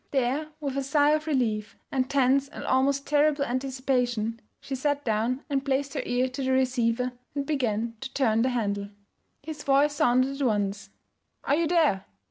There, with a sigh of relief and tense and almost terrible anticipation, she sat down and placed her ear to the receiver and began to turn the handle. His voice sounded at once: 'Are you there?'